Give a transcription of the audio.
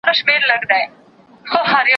نه يې وليده كراره ورځ په ژوند كي